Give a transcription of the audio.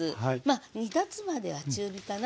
煮立つまでは中火かな。